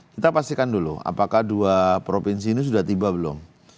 kita pastikan dulu apakah dua provinsi ini sudah tiba belum